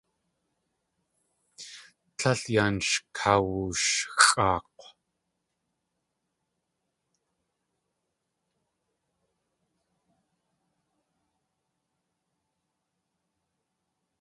Tlél yan sh kawushxʼaak̲w.